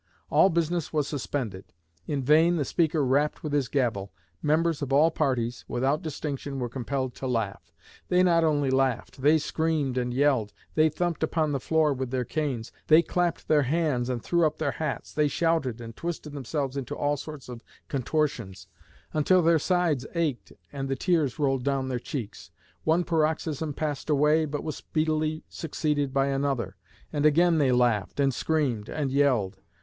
All business was suspended. In vain the Speaker rapped with his gavel. Members of all parties, without distinction, were compelled to laugh. They not only laughed, they screamed and yelled; they thumped upon the floor with their canes; they clapped their hands and threw up their hats; they shouted and twisted themselves into all sorts of contortions, until their sides ached and the tears rolled down their cheeks. One paroxysm passed away, but was speedily succeeded by another, and again they laughed and screamed and yelled.